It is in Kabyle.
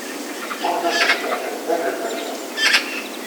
Ur d aselmad, d anelmad.